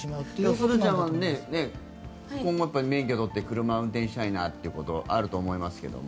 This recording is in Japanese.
すずちゃんは今後、免許を取って車を運転したいなと思うことあるでしょうけど。